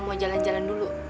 mau jalan jalan dulu